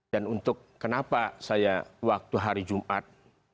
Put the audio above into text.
dan untuk kenapa saya waktu hari jumat